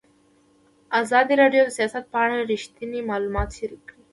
ازادي راډیو د سیاست په اړه رښتیني معلومات شریک کړي.